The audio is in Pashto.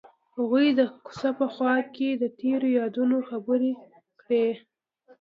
هغوی د کوڅه په خوا کې تیرو یادونو خبرې کړې.